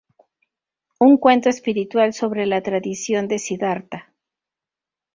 Un cuento espiritual sobre la tradición de Siddhartha.